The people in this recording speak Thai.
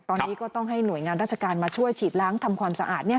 ตอนนี้ก็ต้องให้หน่วยงานราชการมาช่วยฉีดล้างทำความสะอาด